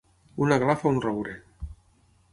Un aglà fa un roure.